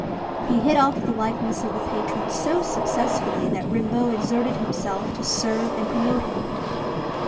He hit off the likeness of the patron so successfully, that Rimbault exerted himself to serve and promote him.